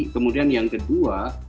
kemudian yang kedua